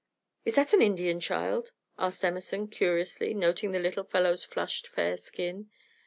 "Is that an Indian child?" asked Emerson, curiously, noting the little fellow's flushed fair skin.